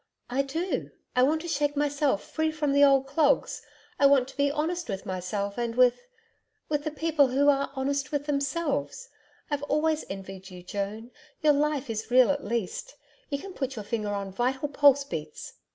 'I do. I want to shake myself free from the old clogs. I want to be honest with myself and with with the people who ARE honest with themselves. I've always envied you, Joan. Your life is real at least. You can put your finger on vital pulse beats.